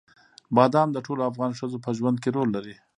بادام د ټولو افغان ښځو په ژوند کې رول لري.